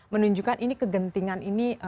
menunjukkan ini kegentingan ini